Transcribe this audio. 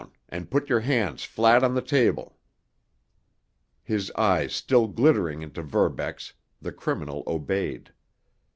And put your hands flat on the table!" His eyes still glittering into Verbeck's, the criminal obeyed.